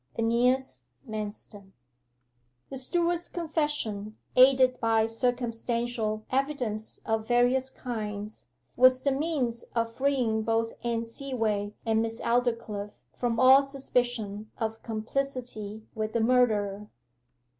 'AENEAS MANSTON.' The steward's confession, aided by circumstantial evidence of various kinds, was the means of freeing both Anne Seaway and Miss Aldclyffe from all suspicion of complicity with the murderer.